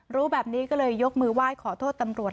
รู้แบบนี้ก็เลยยกมือไหว้ขอโทษตำรวจ